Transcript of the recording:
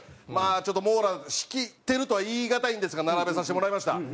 まあちょっと網羅しきってるとは言いがたいんですが並べさせてもらいました。